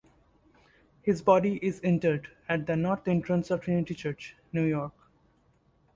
His body is interred at the north entrance of Trinity Church, New York.